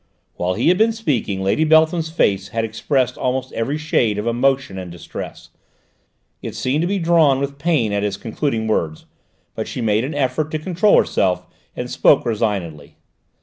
While he had been speaking, Lady Beltham's face had expressed almost every shade of emotion and distress; it seemed to be drawn with pain at his concluding words. But she made an effort to control herself, and spoke resignedly.